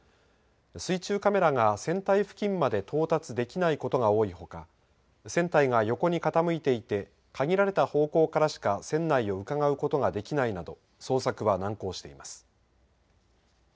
水中カメラが船体付近まで到達できないことが多いほか船体が横に傾いていて限られた方向からしか船内をうかがうことができないなど捜索は難航しています。